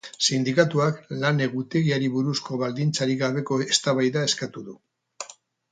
Sindikatuak lan egutegiari buruzko baldintzarik gabeko eztabaida eskatu du.